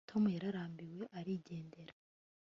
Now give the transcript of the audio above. tom yararambiwe arigendera